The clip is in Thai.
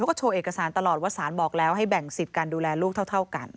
แล้วก็โชว์เอกสารตลอดว่าสารบอกแล้วให้แบ่งสิทธิ์การดูแลลูกเท่ากัน